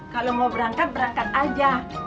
kalau mau berangkat berangkat aja